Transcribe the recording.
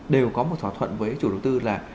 đều có một thỏa thuận với chủ tư là